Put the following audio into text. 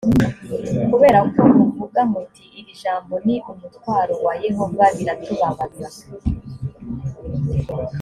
kubera ko muvuga muti irijambo ni umutwaro wa yehova biratubabaza.